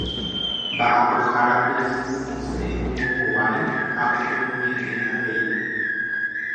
Mba'apohára pyahu osẽ ombohovái ha oturuñe'ẽ avei.